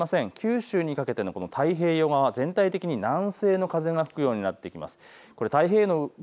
九州にかけての太平洋側、全体側、南西の風が吹くようになってきます。